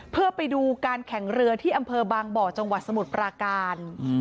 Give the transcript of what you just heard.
เพื่อไปดูการแข่งเรือที่อำเภอบางบ่อจังหวัดสมุทรปราการ